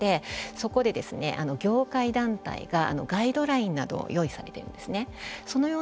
そこで業界団体がガイドラインなどを用意されいるんですね。